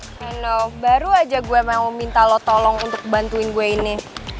henno baru aja gue mau minta lo tolong untuk bantuin gue ini